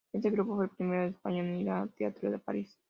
Este grupo fue el primero de España en ir al teatro a París.